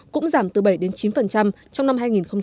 cũng giảm từ bảy chín trong năm hai nghìn hai mươi